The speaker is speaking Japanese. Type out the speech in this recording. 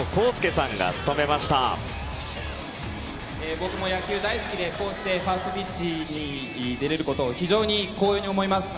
僕も野球大好きでこうしてファーストピッチに出られることを非常に光栄に思います。